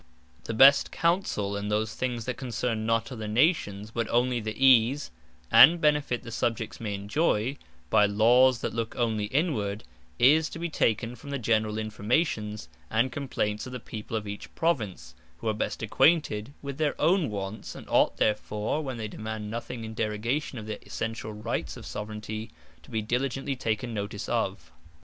The best Counsell, in those things that concern not other Nations, but onely the ease, and benefit the Subjects may enjoy, by Lawes that look onely inward, is to be taken from the generall informations, and complaints of the people of each Province, who are best acquainted with their own wants, and ought therefore, when they demand nothing in derogation of the essentiall Rights of Soveraignty, to be diligently taken notice of.